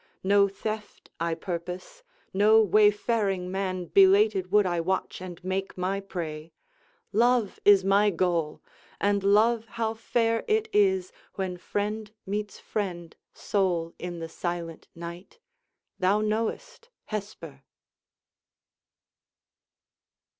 No theft I purpose; no wayfaring man Belated would I watch and make my prey: Love is my goal; and Love how fair it is, When friend meets friend sole in the silent night, Thou knowest, Hesper!